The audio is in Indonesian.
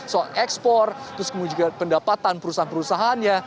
soal ekspor terus kemudian juga pendapatan perusahaan perusahaannya